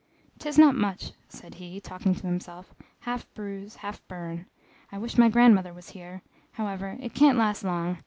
"'Tis not much," said he, talking to himself, "half bruise, half burn I wish my grandmother was here however, it can't last long!